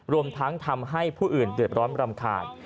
รวมทั้งทำให้ผู้อื่นเดือดร้อนรำคาญ